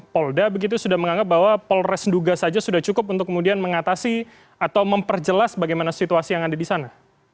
polda begitu sudah menganggap bahwa polres duga saja sudah cukup untuk kemudian mengatasi atau memperjelas bagaimana situasi yang ada di sana